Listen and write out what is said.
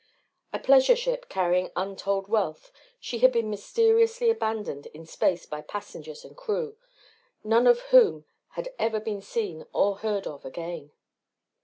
A pleasure ship carrying untold wealth, she had been mysteriously abandoned in space by passengers and crew, none of whom had ever been seen or heard of again.